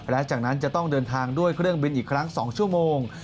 และจากนั้นจะต้องเดินทางด้วยเครื่องบินอีกครั้ง๒ชั่วโมง